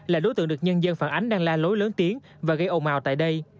là đối tượng được nhân dân phản ánh đang la lối lớn tiếng và gây ồn ào tại đây